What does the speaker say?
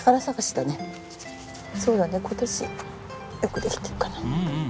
そうだね今年よくできてるかな。